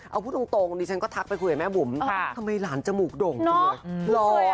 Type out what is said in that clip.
เอาพูดตรงดิฉันก็ทักไปคุยกับแม่บุ๋มทำไมหลานจมูกโด่งจังเลย